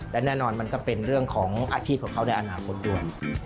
และแน่นอนมันก็เป็นเรื่องของอาชีพของเขาในอนาคตด้วย